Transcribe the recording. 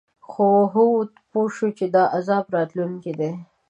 خو هود پوه شو چې دا عذاب راتلونکی دی.